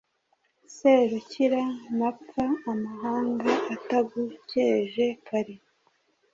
Serukira-mapfa Amahanga atagukeje kare,